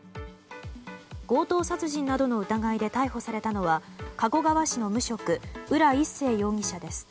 強盗殺人の疑いで逮捕されたのは加古川市の無職浦一生容疑者です。